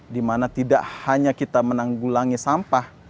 di mana tidak hanya kita menanggulangi sampah